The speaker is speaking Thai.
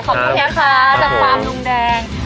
ขอบคุณเพชรคะจากความลุงแดง